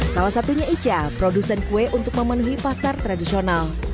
salah satunya ica produsen kue untuk memenuhi pasar tradisional